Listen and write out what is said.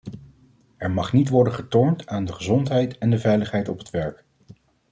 Er mag niet worden getornd aan de gezondheid en de veiligheid op het werk.